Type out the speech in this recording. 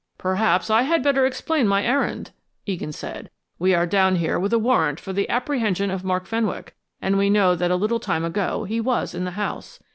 "Perhaps I had better explain my errand," Egan said. "We are down here with a warrant for the apprehension of Mark Fenwick, and we know that a little time ago he was in the house.